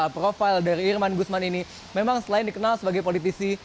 profil dari irman gusman ini memang selain dikenal sebagai politisi